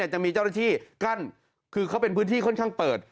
จะมีเจ้าหน้าที่กั้นคือเขาเป็นพื้นที่ค่อนข้างเปิด